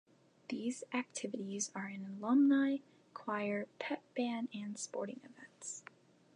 These activities are an alumni choir, pep band, and sporting events.